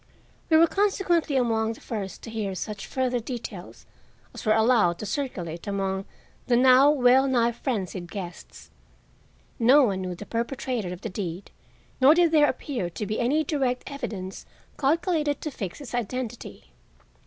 We were consequently among the first to hear such further details as were allowed to circulate among the now well nigh frenzied guests. No one knew the perpetrator of the deed nor did there appear to be any direct evidence calculated to fix his identity.